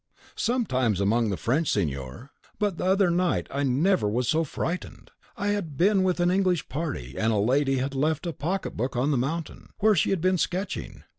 "Sometimes among the French, signor. But the other night I never was so frightened I had been with an English party, and a lady had left a pocket book on the mountain, where she had been sketching.